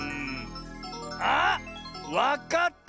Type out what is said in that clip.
あっわかった！